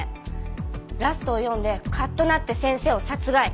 ラストを読んでカッとなって先生を殺害。